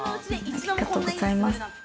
ありがとうございます。